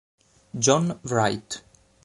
John Wright